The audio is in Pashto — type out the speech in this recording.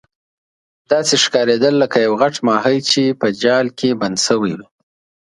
داسې ښکاریدل لکه یو غټ ماهي چې په جال کې بند شوی وي.